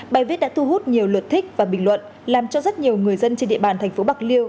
bài viết đã thu hút nhiều lượt thích và bình luận làm cho rất nhiều người dân trên địa bàn thành phố bạc liêu